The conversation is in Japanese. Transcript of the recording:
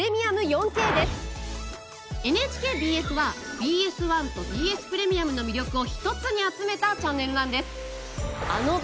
ＮＨＫＢＳはＢＳ１とＢＳプレミアムの魅力を一つに集めたチャンネルなんです。